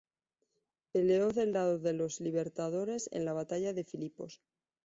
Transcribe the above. Peleó del lado de los libertadores en la batalla de Filipos.